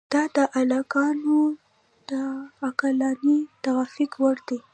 دا د عاقلانو د عقلاني توافق وړ دي.